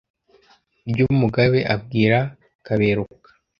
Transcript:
Ryumugabe abwira Kaberuka